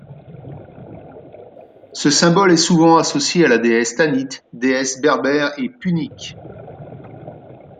Ce symbole est souvent associé à la déesse Tanit, Déesse berbère et punique.